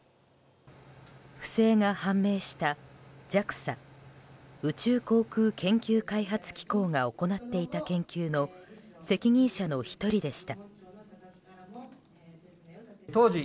不正が判明したＪＡＸＡ・宇宙航空研究開発機構が行っていた研究の責任者の１人でした。